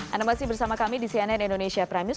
anda masih bersama kami di cnn indonesia prime news